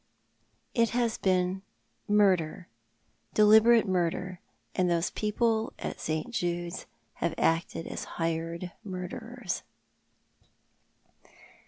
" It has been murder — deliberate murder, and those people at Si. Jude's have acted as hired murderers."